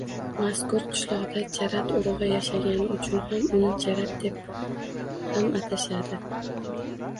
Mazkur qishloqda jarat urug‘i yashagani uchun uni Jarat deb ham atashadi.